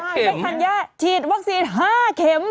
๕เข็มเป๊กทัญญาชีดวัคซีด๕เข็ม